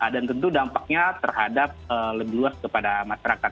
dan tentu dampaknya terhadap lebih luas kepada masyarakat